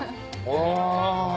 お！